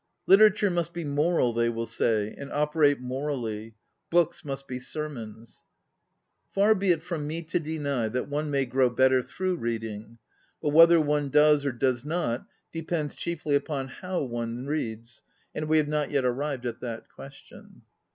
Literature must be moral, they will say, and operate morally; books must be sermons. Far be it from me to deny that one may grow better through reading; but whether one does or does not depends chiefly upon how one reads, and we have not yet arrived at that question.